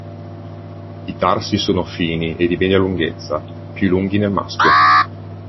I tarsi sono fini e di media lunghezza, più lunghi nel maschio.